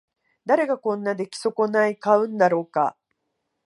誰がこんな出来損ない買うんだろうか